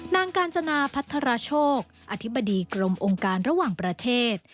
นางกาญจนาพัทรโชคอธิบดีกรมองค์การระหว่างประเทศ